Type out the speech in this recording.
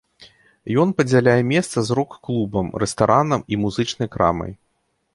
Ён падзяляе месца з рок-клубам, рэстаранам і музычнай крамай.